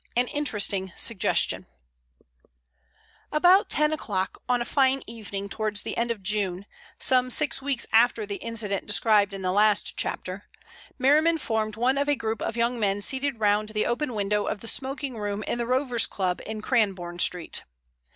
AN INTERESTING SUGGESTION About ten o'clock on a fine evening towards the end of June, some six weeks after the incident described in the last chapter, Merriman formed one of a group of young men seated round the open window of the smoking room in the Rovers' Club in Cranbourne Street.